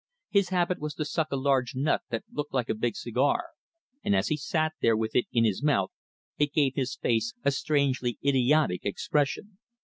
His habit was to suck a large nut that looked like a big cigar, and as he sat there with it in his mouth it gave his face a strangely idiotic expression.